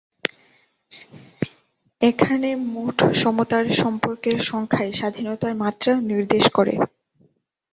এখানে মোট সমতার সম্পর্কের সংখ্যাই স্বাধীনতার মাত্রা নির্দেশ করে।